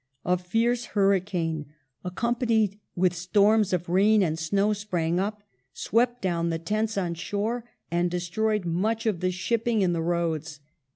A fierce Nol °^ hurricane, accompanied with storms of rain and snow, sprang up, 14th swept down the tents on shore and destroyed much of the shipping in the roads.